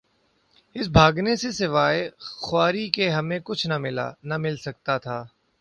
اس بھاگنے سے سوائے خواری کے ہمیں کچھ نہ ملا... نہ مل سکتاتھا۔